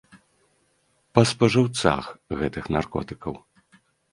Па спажыўцах гэтых наркотыкаў.